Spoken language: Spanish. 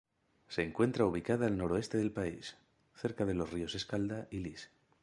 Se encuentra ubicada al noroeste del país, cerca de los ríos Escalda y Lys.